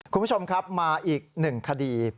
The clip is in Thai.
คุณผู้ชมครับมาอีกหนึ่งคดี